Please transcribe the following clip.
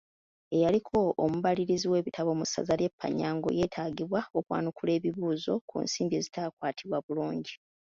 Eyaliko omubalirizi w'ebitabo mu ssaza ly'e Panyango yeetaagibwa okwanukula ebibuuzo ku nsimbi ezitaakwatibwa bulungi.